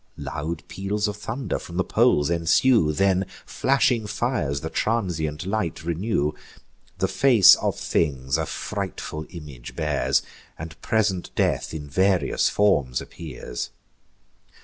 Loud peals of thunder from the poles ensue; Then flashing fires the transient light renew; The face of things a frightful image bears, And present death in various forms appears.